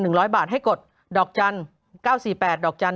โหยวายโหยวายโหยวาย